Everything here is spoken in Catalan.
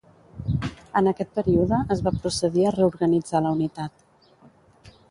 En aquest període es va procedir a reorganitzar la unitat.